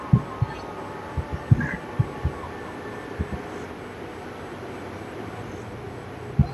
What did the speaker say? Estudió en el Colegio Real de San Martín de Lima.